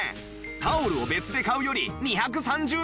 タオルを別で買うより２３０円お得！